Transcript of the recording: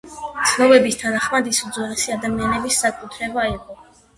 ცნობების თანახმად ის უძველესი ადამიანის საკუთრება იყო.